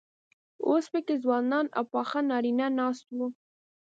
اوس پکې ځوانان او پاخه نارينه ناست وو.